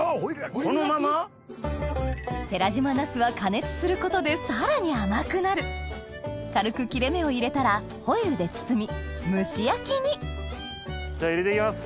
このまま⁉寺島ナスは加熱することでさらに甘くなる軽く切れ目を入れたらホイルで包み蒸し焼きにじゃ入れて行きます。